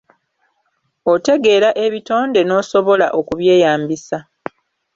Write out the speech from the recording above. Otegeera ebitonde n'osobola okubyeyambisa.